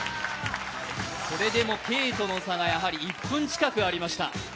それでもＫとの差がやはり１分近くありました。